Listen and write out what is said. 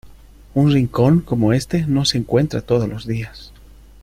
Un rincón como este no se encuentra todos los días.